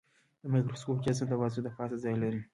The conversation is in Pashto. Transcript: د مایکروسکوپ جسم د بازو د پاسه ځای لري.